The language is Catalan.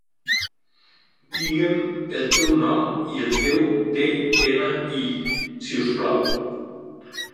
Diguem el teu nom i el teu de-ena-i, si us plau.